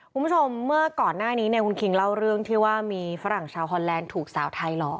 เมื่อก่อนหน้านี้เนี่ยคุณคิงเล่าเรื่องที่ว่ามีฝรั่งชาวฮอนแลนด์ถูกสาวไทยหลอก